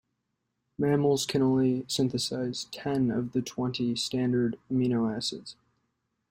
Mammals can only synthesize ten of the twenty standard amino acids.